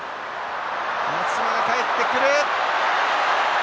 松島が帰ってくる！